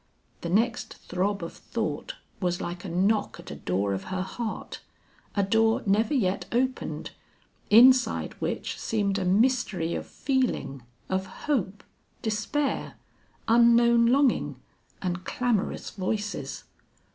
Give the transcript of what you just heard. The next throb of thought was like a knock at a door of her heart a door never yet opened, inside which seemed a mystery of feeling, of hope, despair, unknown longing, and clamorous voices.